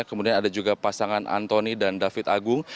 kemudian ada juga pasangan antoni dan david agung